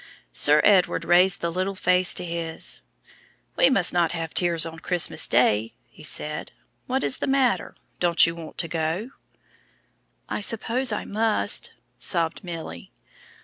Sir Edward raised the little face to his, "We must not have tears on Christmas Day," he said. "What is the matter, don't you want to go?" "I suppose I must," sobbed Milly.